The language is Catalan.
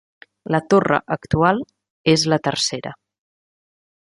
La torre actual és la tercera.